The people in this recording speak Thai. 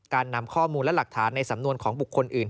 นำข้อมูลและหลักฐานในสำนวนของบุคคลอื่น